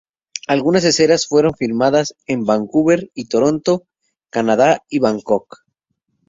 Algunas escenas fueron filmadas en Vancouver y Toronto, Canadá y Bangkok.